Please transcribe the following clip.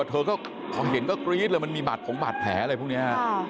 เธอก็เห็นก็กรี๊ดมันมีหมัดของหมัดแผลอะไรพวกนี้